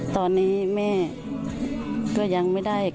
ตอนนี้แม่ก็ยังไม่ได้กลับมา